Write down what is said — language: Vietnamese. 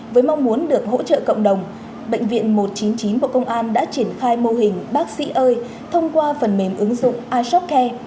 với mong muốn được hỗ trợ cộng đồng bệnh viện một trăm chín mươi chín bộ công an đã triển khai mô hình bác sĩ ơi thông qua phần mềm ứng dụng ishopcare